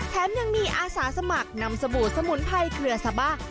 แถมยังมีอาสาสมัครนำสบู่สมุนไพรเครือซาบ้า